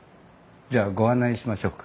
じゃあご案内しましょうか？